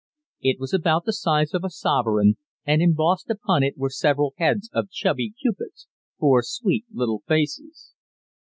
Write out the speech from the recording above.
It was about the size of a sovereign, and embossed upon it were several heads of chubby cupids four sweet little faces.